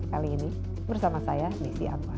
kali ini bersama saya nisi agwar